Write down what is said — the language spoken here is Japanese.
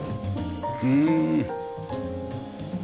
うん。